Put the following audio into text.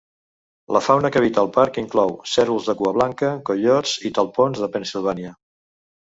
La fauna que habita al parc inclou cérvols de cua blanca, coiots i talpons de Pennsilvània.